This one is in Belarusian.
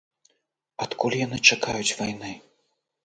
Адкуль яны чакаюць вайны?